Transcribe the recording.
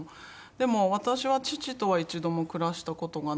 でも私は父とは一度も暮らした事がなく。